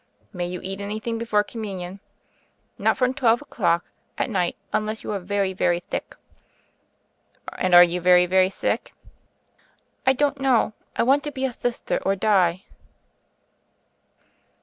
"May you eat anything before Communion?" "Not from twelve o'clock at night, unleth you are very, very thick." "And are you very, very sick?" "I don't know. I want to be a Thithter or die?"